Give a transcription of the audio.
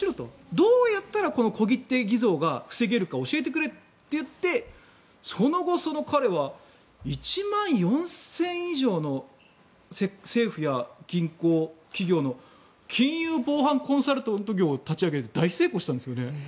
どうやったらこの小切手偽造が防げるか教えてくれって言ってその後、その彼は１万４０００以上の政府や銀行、企業の金融防犯コンサルタント業を立ち上げて大成功したんですね。